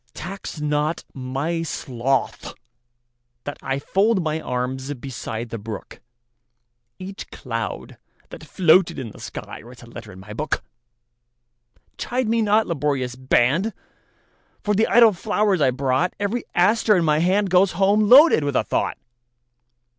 Tax not my sloth that IFold my arms beside the brook; Each cloud that floated in the skyWrites a letter in my book. Chide me not, laborious band, For the idle flowers I brought; Every aster in my handGoes home loaded with a thought.